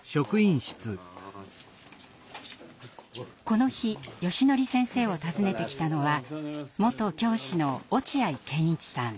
この日よしのり先生を訪ねてきたのは元教師の落合賢一さん。